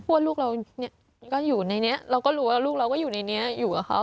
ว่าลูกเราก็อยู่ในนี้เราก็รู้ว่าลูกเราก็อยู่ในนี้อยู่กับเขา